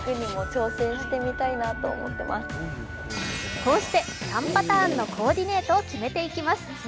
こうして３パターンのコーディネートを決めていきます。